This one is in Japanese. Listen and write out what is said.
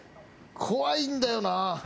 怖いんだよな。